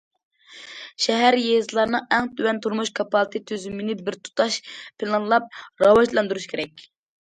شەھەر، يېزىلارنىڭ ئەڭ تۆۋەن تۇرمۇش كاپالىتى تۈزۈمىنى بىر تۇتاش پىلانلاپ راۋاجلاندۇرۇش كېرەك.